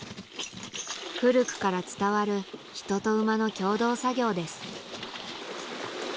古くから伝わる人と馬の共同作業です